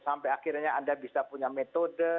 sampai akhirnya anda bisa punya metode